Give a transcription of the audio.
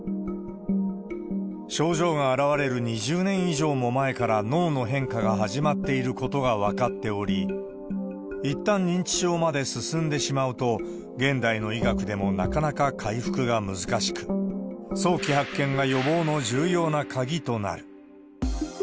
症状が現れる２０年以上も前から脳の変化が始まっていることが分かっており、いったん認知症まで進んでしまうと、現代の医学でもなかなか回復が難しく、早期発見が予防の重要な鍵となる。